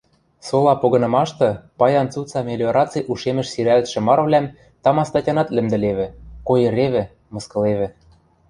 Сола погынымашты паян цуца мелиораци ушемӹш сирӓлтшӹ марывлӓм тама статянат лӹмдӹлевӹ, койыревӹ, мыскылевӹ.